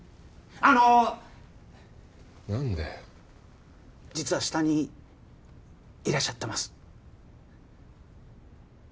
あの何だよ実は下にいらっしゃってます